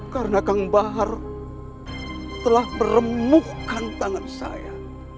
karena kang bahar telah meremukkan tangan saya